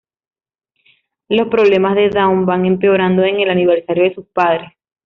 Los problemas de Dawn van empeorando en el aniversario de sus padres.